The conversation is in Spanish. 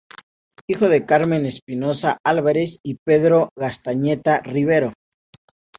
Hijo de Carmen Espinoza-Álvarez y Pedro Gastañeta-Rivero.